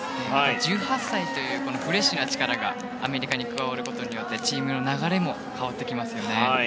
１８歳というフレッシュな力がアメリカに加わることによってチームの流れも変わってきますよね。